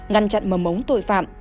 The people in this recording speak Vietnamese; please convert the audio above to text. ngăn chặn mầm mống tội phạm